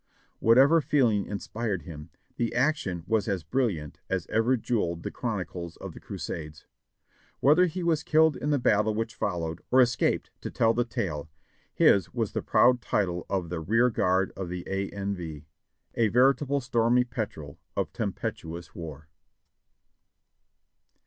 Whatever feeling inspired him, the action was as brilliant as ever jeweled the chronicles of the Crusades. Whether he was killed in the battle which followed, or escaped to tell the tale, his was the proud title of the "REAR GUARD OF THE A. N. V," A veritable stormy petrel of tempestuous war.